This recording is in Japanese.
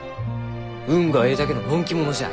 「運がえいだけののんき者じゃ」